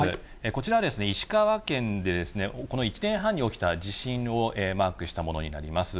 こちらはですね、石川県でですね、この１年半に起きた地震をマークしたものになります。